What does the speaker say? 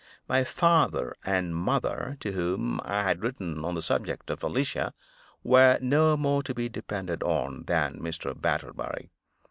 My father and mother, to whom I had written on the subject of Alicia, were no more to be depended on than Mr. Batterbury.